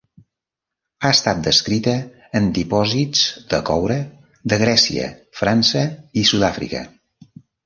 Ha estat descrita en dipòsits de coure de Grècia, França i Sud-àfrica.